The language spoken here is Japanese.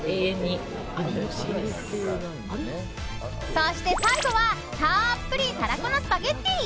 そして最後はたっぷりたらこのスパゲッティ。